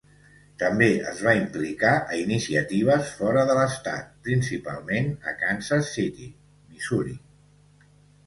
També es va implicar a iniciatives fora de l'estat, principalment a Kansas City, Missouri.